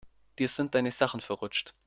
Dir sind deine Sachen verrutscht.